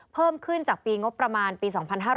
เพิ่มขึ้นจากปีงบประมาณปี๒๕๕๙